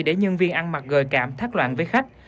để nhân viên ăn mặc gời cảm thác loạn với khách